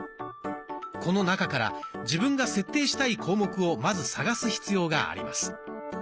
この中から自分が設定したい項目をまず探す必要があります。